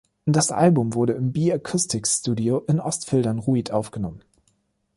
Das Album wurde im Bi-Acoustics-Studio in Ostfildern-Ruit aufgenommen.